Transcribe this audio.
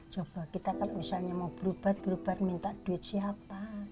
coba kita kalau misalnya mau berobat berubar minta duit siapa